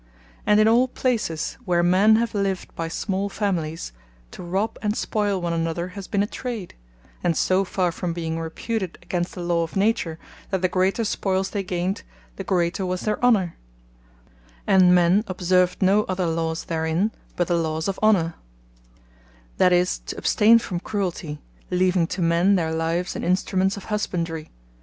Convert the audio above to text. And in all places, where men have lived by small Families, to robbe and spoyle one another, has been a Trade, and so farre from being reputed against the Law of Nature, that the greater spoyles they gained, the greater was their honour; and men observed no other Lawes therein, but the Lawes of Honour; that is, to abstain from cruelty, leaving to men their lives, and instruments of husbandry.